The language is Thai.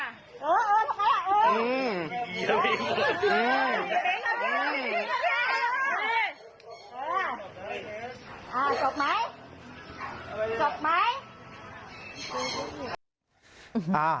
จบไหม